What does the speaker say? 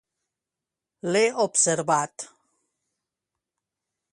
L'he observat.